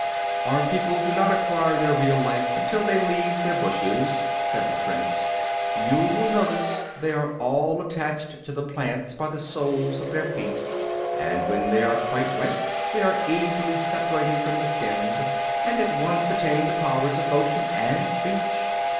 "Our people do not acquire their real life until they leave their bushes," said the Prince. "You will notice they are all attached to the plants by the soles of their feet, and when they are quite ripe they are easily separated from the stems and at once attain the powers of motion and speech.